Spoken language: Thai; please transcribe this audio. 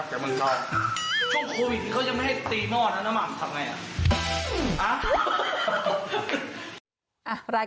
ไม่พอเลยแท้แต่กูพอแล้ว